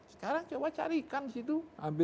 sekarang coba cari ikan di situ ambil